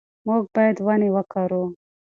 موږ باید ونې وکرو.